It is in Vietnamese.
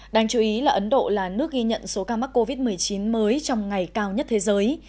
đáng chú ý là ấn độ là nước ghi nhận số ca mắc covid một mươi chín mới trong ngày cao nhất thế giới